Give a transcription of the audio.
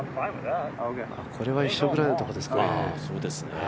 これは一緒ぐらいのところですね。